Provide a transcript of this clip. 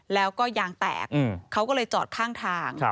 แล้วก็ยางแตกเขาก็เลยจอดข้างทาง